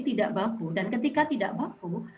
tidak baku dan ketika tidak baku